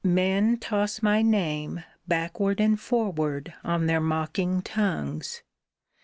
Men toss my name Backward and forward on their mocking tongues.